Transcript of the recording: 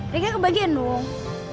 reknya kebagian dong